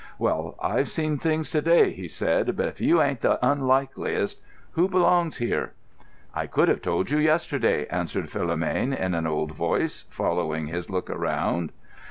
"Well, I've seen things to day," he said. "But if you ain't the unlikeliest. Who belongs here?" "I could have told you, yesterday," answered Philomène, in an old voice, following his look around.